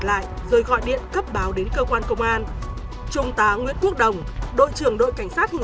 lại rồi gọi điện cấp báo đến cơ quan công an trung tá nguyễn quốc đồng đội trưởng đội cảnh sát hình